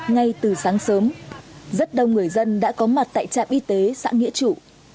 ngay từ sáng sớm rất đông người dân đã có mặt tại trạm y tế xã nghĩa trụ